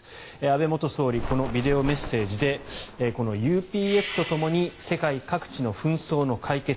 安倍元総理このビデオメッセージでこのＵＰＦとともに世界各地の紛争の解決